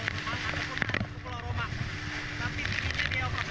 bukan gelombang atau omong yang berubah keluarga di pulau romang itu